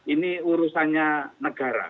ini urusannya negara